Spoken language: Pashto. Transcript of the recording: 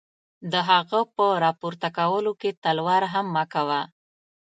د هغه په را پورته کولو کې تلوار هم مه کوه.